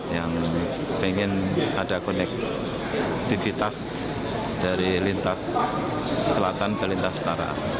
yang ingin ada konektivitas dari lintas selatan ke lintas utara